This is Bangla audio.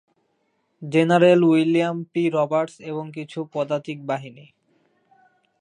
General William P. রবার্টস এবং কিছু পদাতিক বাহিনী।